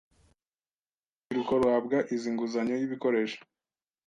Urubyiruko ruhabwa izi nguzanyo y’ibikoresho